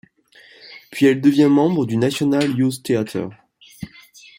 Puis, elle devient membre du National Youth Theatre.